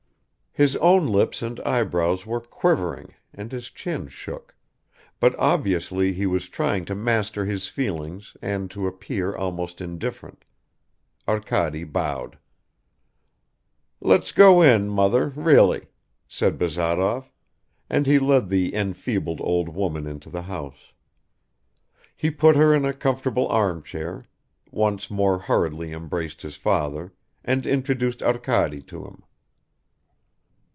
His own lips and eyebrows were quivering and his chin shook but obviously he was trying to master his feelings and to appear almost indifferent. Arkady bowed. "Let's go in, mother, really," said Bazarov, and he led the enfeebled old woman into the house. He put her in a comfortable armchair, once more hurriedly embraced his father, and introduced Arkady to him.